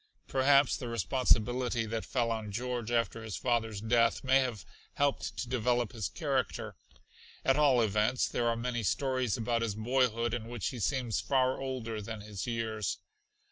Perhaps the responsibility that fell on George after his father's death may have helped to develop his character. At all events there are many stories about his boyhood in which he seems far older than his years.